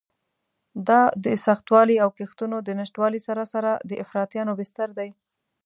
دا د سختوالي او کښتونو د نشتوالي سره سره د افراطیانو بستر دی.